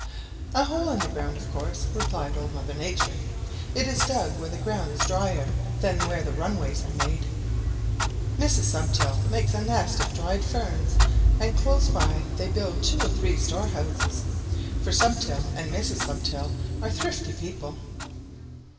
"A hole in the ground, of course," replied Old Mother Nature. "It is dug where the ground is drier than where the runways are made. Mrs. Stubtail makes a nest of dried ferns and close by they build two or three storehouses, for Stubtail and Mrs. Stubtail are thrifty people."